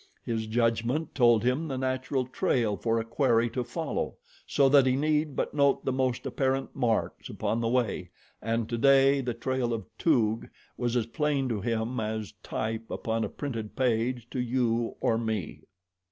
His judgment told him the natural trail for a quarry to follow, so that he need but note the most apparent marks upon the way, and today the trail of Toog was as plain to him as type upon a printed page to you or me.